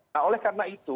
nah oleh karena itu